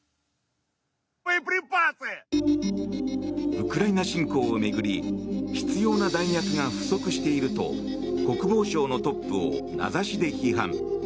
ウクライナ侵攻を巡り必要な弾薬が不足していると国防省のトップを名指しで批判。